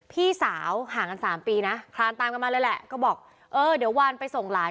พี่สาวห่างกันสามปีนะคลานตามกันมาเลยแหละก็บอกเออเดี๋ยววานไปส่งหลาน